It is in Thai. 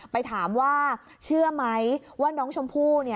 ไปถามว่าเชื่อไหมว่าน้องชมพู่